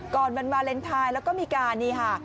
วันวาเลนไทยแล้วก็มีการนี่ค่ะ